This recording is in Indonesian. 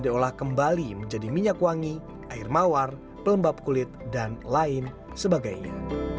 diolah kembali menjadi minyak wangi air mawar pelembab kulit dan lain sebagainya